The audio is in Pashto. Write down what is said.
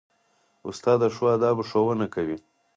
استاد د ښو آدابو ښوونه کوي.